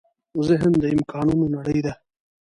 ذهن د امکانونو نړۍ ده.